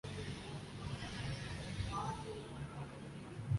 آج بھی ایسا ہی ہے۔